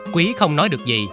quý không nói được gì